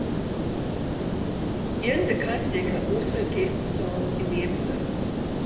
Iain De Caestecker also guest stars in the episode.